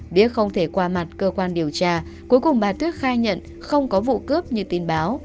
đéc không thể qua mặt cơ quan điều tra cuối cùng bà tuyết khai nhận không có vụ cướp như tin báo